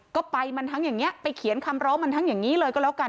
ก็ไปมันทั้งอย่างนี้ไปเขียนคำร้องมันทั้งอย่างนี้เลยก็แล้วกัน